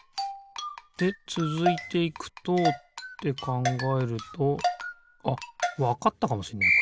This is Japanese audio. でつづいていくとってかんがえるとあっわかったかもしんない